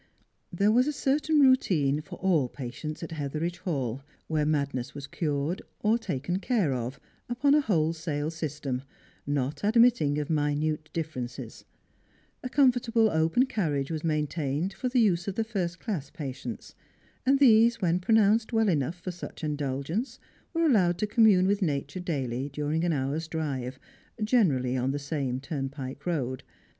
There was a certain routine for all patients at Hetheridge Hall, where madness was cured, or taken care of, upon a wholesale system, not admitting of minute differences, A comfortable open carriage was maintained for the use of the first class patients, and these, Avhen pronounced well enough for such indulgence, were allowed to commune with nature daily during an hour's drive, generally on the same turnpike road.